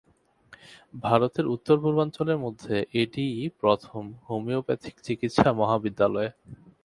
ভারতের উত্তর-পূর্বাঞ্চলের মধ্যে এটিই প্রথম হোমিওপ্যাথিক চিকিৎসা মহাবিদ্যালয।